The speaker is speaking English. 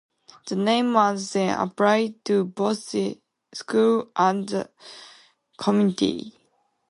The name was then applied to both the school and the community.